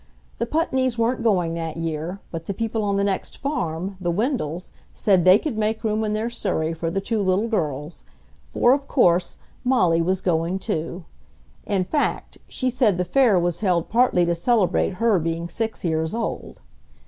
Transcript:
The Putneys weren't going that year, but the people on the next farm, the Wendells, said they could make room in their surrey for the two little girls; for, of course, Molly was going, too. In fact, she said the Fair was held partly to celebrate her being six years old.